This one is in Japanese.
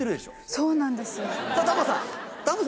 そうなんです。